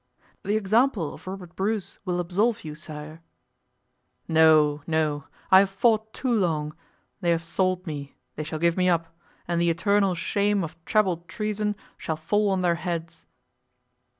"The example of Robert Bruce will absolve you, sire." "No, no! I have fought too long; they have sold me, they shall give me up, and the eternal shame of treble treason shall fall on their heads."